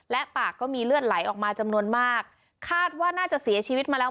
และปากก็มีเลือดไหลออกมาจำนวนมากคาดว่าน่าจะเสียชีวิตมาแล้ว